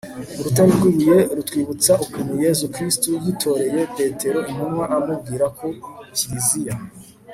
urutare rw'ibuye rutwibutsa ukuntu yezu kristu yitoreye petero intumwa amubwira ko kiliziya